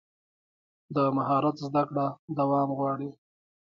د مهارت زده کړه دوام غواړي.